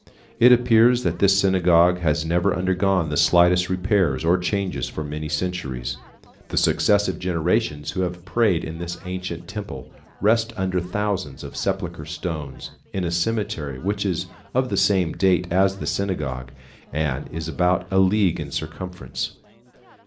It appears that this synagogue has never undergone the slightest repairs or changes for many centuries. The successive generations who have prayed in this ancient temple rest under thousands of sepulchral stones, in a cemetery which is of the same date as the synagogue, and is about a league in circumference.